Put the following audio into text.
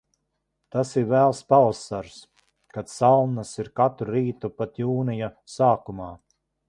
Tas ir vēls pavasaris, kad salnas ir katru rītu pat Jūnija sākumā.